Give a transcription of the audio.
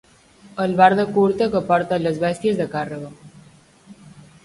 Albarda curta que porten les bèsties de càrrega.